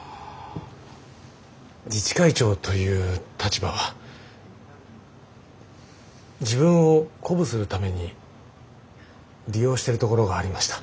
自治会長という立場は自分を鼓舞するために利用してるところがありました。